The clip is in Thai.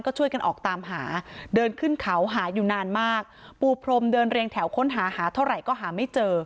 ก็ช่วยกันออกตามหาเดินขึ้นเขาหาอยู่นานมากปูพรมเดินเรียงแถวค้นหาหาเท่าไหร่ก็หาไม่เจอ